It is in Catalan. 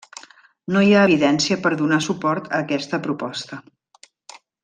No hi ha evidència per donar suport a aquesta proposta.